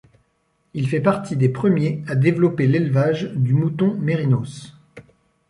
Il fait partie des premiers à développer l'élevage du mouton mérinos.